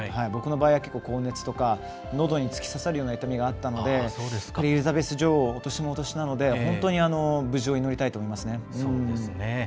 僕の場合は結構、高熱とか胸に突き刺さるような痛みがあったのでエリザベス女王はお年もお年なので、本当に無事を祈りたいと思いますね。